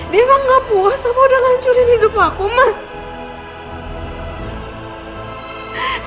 dia gak puas sama udah ngancurin hidup aku mak